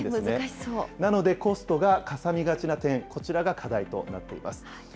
なのでコストがかさみがちな点、こちらが課題となっています。